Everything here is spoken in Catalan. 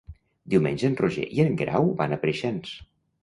Diumenge en Roger i en Guerau van a Preixens.